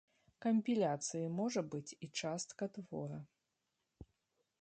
Кампіляцыяй можа быць і частка твора.